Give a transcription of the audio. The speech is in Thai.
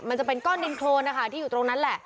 มันจะเป็นก้อนดินโครนนะคะที่อยู่ตรงนั้นแหละ